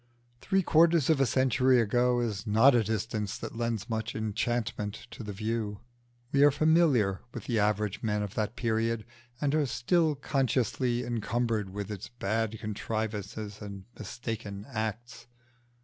Three quarters of a century ago is not a distance that lends much enchantment to the view. We are familiar with the average men of that period, and are still consciously encumbered with its bad contrivances and mistaken acts.